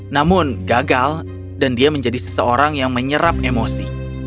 namun gagal dan dia menjadi seseorang yang menyerap emosi